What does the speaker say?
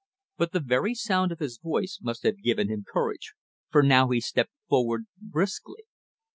But the very sound of his voice must have given him courage, for now he stepped forward, briskly.